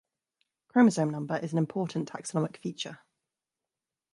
Chromosome number is an important taxonomic feature.